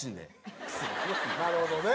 なるほどね。